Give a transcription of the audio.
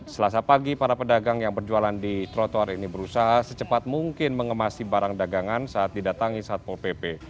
selasa pagi para pedagang yang berjualan di trotoar ini berusaha secepat mungkin mengemasi barang dagangan saat didatangi satpol pp